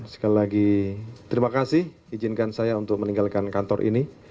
sekali lagi terima kasih izinkan saya untuk meninggalkan kantor ini